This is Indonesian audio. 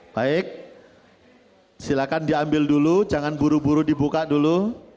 baik silakan diambil dulu jangan buru buru dibuka dulu